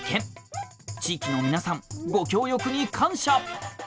地域の皆さんご協力に感謝。